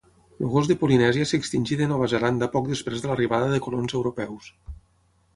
El gos de Polinèsia s'extingí de Nova Zelanda poc després de l'arribada de colons europeus.